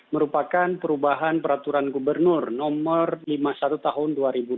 merupakan perubahan peraturan gubernur nomor lima puluh satu tahun dua ribu dua puluh